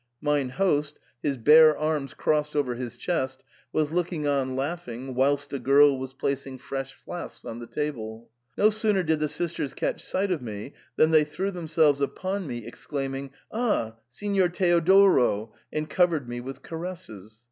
Mine host, his bare arms crossed over his chest, was looking on laughing, whilst a girl was placing fresh flasks on the table. No sooner did the sisters catch sight of me than they threw them selves upon me exclaiming, * Ah ! Signor Teodoro !' and covered me with caresses.